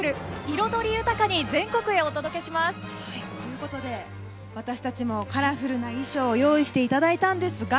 彩り豊かに全国へお届けします。ということで、私たちもカラフルな衣装を用意していただいたんですが。